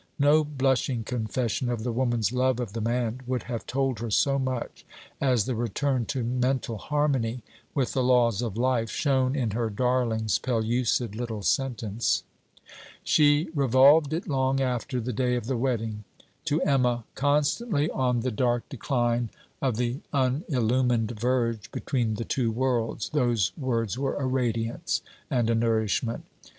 No blushing confession of the woman's love of the man would have told her so much as the return to mental harmony with the laws of life shown in her darling's pellucid little sentence. She revolved it long after the day of the wedding. To Emma, constantly on the dark decline of the unillumined verge, between the two worlds, those words were a radiance and a nourishment.